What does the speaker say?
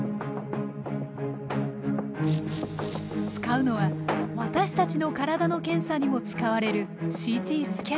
使うのは私たちの体の検査にも使われるＣＴスキャナー。